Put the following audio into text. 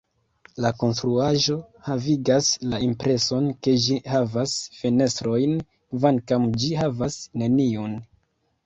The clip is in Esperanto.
La konstruaĵo havigas la impreson ke ĝi havas fenestrojn, kvankam ĝi havas neniun.